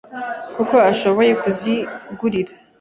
kuko bashoboye kuzigurira.